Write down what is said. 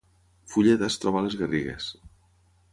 Fulleda es troba a les Garrigues